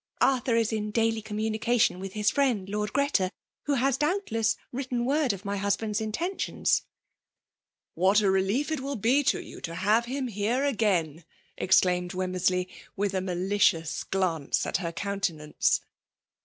Avthiir ia ia dally oommUnicMioii wfth his friend Lord Greta, who has doubtless written word of my hnsband^s intentions/* *' What a relief it will be to you to hare him heoe again !" exelaimed WemmersAey, with a malicious glance at her countenance.